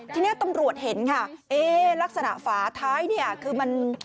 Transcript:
ทีนี้ตำรวจเห็นค่ะเอ๊ลักษณะฝาท้ายเนี่ยคือมัน